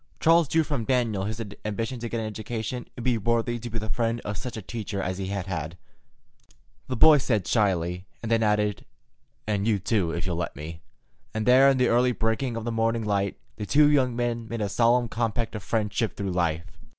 Charles drew from Daniel his ambition to get an education and be worthy to be the friend of such a teacher as he had had. The boy said it shyly, and then added, "And you too, if you'll let me," and there in the early breaking of the morning light the two young men made a solemn compact of friendship through life.